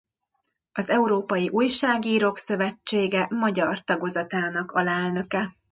Az Európai Újságírók Szövetsége magyar tagozatának alelnöke.